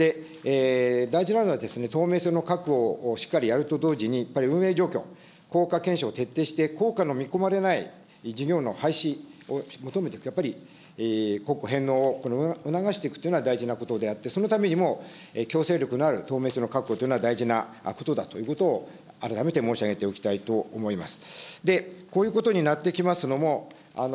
大事なのは透明性の確保をしっかりやると同時に、やっぱり運営状況、効果状況を徹底してこうかの見込まれない事業の廃止を求めていく、やっぱり国庫返納を促していくということが大事なことであって、そのためにも強制力のある透明性のというのは、大事なことだということを、改めて申し上げておきたいと思います。